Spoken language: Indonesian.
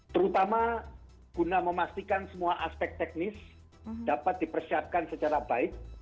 terutama guna memastikan semua aspek teknis dapat dipersiapkan secara baik